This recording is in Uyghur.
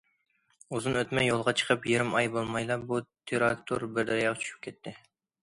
ئۇزۇن ئۆتمەي يولغا چىقىپ يېرىم ئاي بولمايلا، بۇ تىراكتور بىر دەرياغا چۈشۈپ كېتىپتۇ.